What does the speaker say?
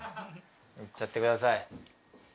いっちゃってください。